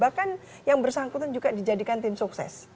jadi bahkan yang bersangkutan juga dijadikan tim sukses